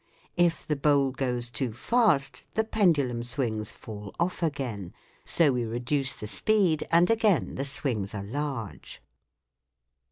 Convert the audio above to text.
If the bowl goes too fast, the pendulum swings fall off again ; so we reduce the speed, and again the swings are large.